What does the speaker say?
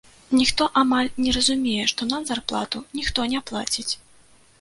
Ніхто амаль не разумее, што нам зарплату ніхто не плаціць.